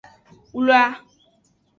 Wla.